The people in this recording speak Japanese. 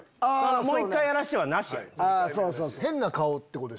もう一回やらして！はなしやで。